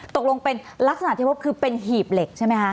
ตกลงเป็นลักษณะที่พบคือเป็นหีบเหล็กใช่ไหมคะ